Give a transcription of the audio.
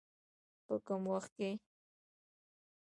په کم وخت کې.